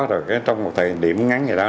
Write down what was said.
rồi cái trong một thời điểm ngắn gì đó